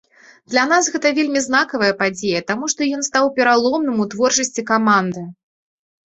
Для нас гэта вельмі знакавая падзея, таму што ён стаў пераломным у творчасці каманды.